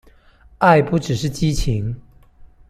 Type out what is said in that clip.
愛不只是激情